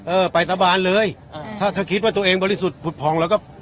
เออไปตะบานเลยอ่าถ้าถ้าคิดว่าตัวเองบริสุทธิ์ผุดผ่องแล้วก็